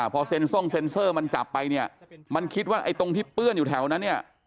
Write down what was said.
พอเซ็นทรงเซ็นเซอร์มันจับไปเนี่ยมันคิดว่าไอ้ตรงที่เปื้อนอยู่แถวนั้นเนี่ย